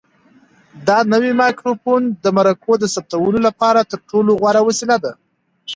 دا نوی مایکروفون د مرکو د ثبتولو لپاره تر ټولو غوره وسیله ده.